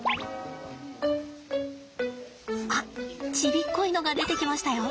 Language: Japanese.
あっちびっこいのが出てきましたよ。